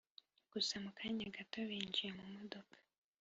gusa mukanya gato binjiye mumodoka